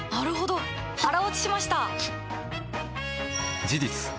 腹落ちしました！